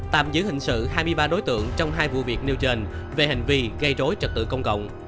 tạm giữ hình sự hai mươi ba đối tượng trong hai vụ việc nêu trên về hành vi gây rối trật tự công cộng